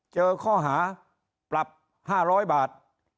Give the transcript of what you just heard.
เจอข้อหาปรับ๕๐๐บาท